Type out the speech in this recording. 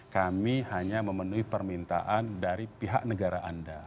kami hanya memenuhi permintaan dari pihak negara anda